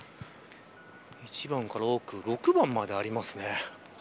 １番から６番までありますね。